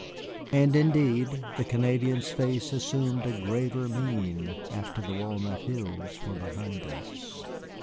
And indeed, the Canadian's face assumed a graver mien after the Walnut Hills were behind us.